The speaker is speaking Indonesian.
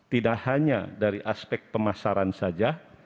tidak hanya dari aspek pemasaran saja